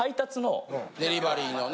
デリバリーのね。